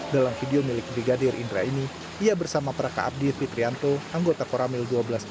dalam video milik brigadir indra ini ia bersama praka abdir fitrianto anggota koramil seribu dua ratus lima dua belas